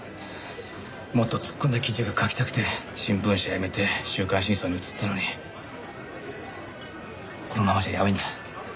もっと突っ込んだ記事が書きたくて新聞社辞めて『週刊真相』に移ったのにこのままじゃやばいんだ。